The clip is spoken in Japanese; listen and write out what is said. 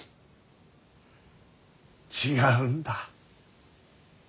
違うんだ。